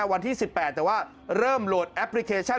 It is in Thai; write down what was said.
วันที่๑๘แต่ว่าเริ่มโหลดแอปพลิเคชัน